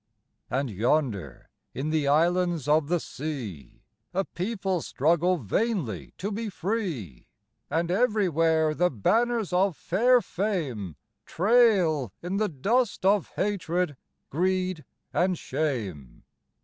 And yonder, in the islands of the sea, A people struggle vainly to be free; And everywhere the banners of fair fame Trail in the dust of hatred, greed and shame.